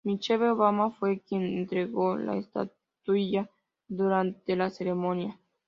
Michelle Obama fue quien entregó la estatuilla durante la ceremonia.